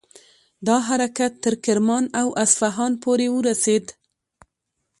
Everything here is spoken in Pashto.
دا حرکت تر کرمان او اصفهان پورې ورسید.